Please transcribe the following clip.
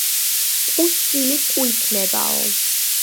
კუს შვილი კუ იქნებაო